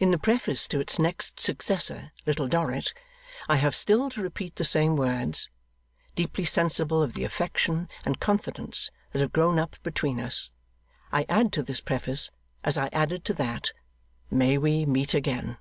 In the Preface to its next successor, Little Dorrit, I have still to repeat the same words. Deeply sensible of the affection and confidence that have grown up between us, I add to this Preface, as I added to that, May we meet again!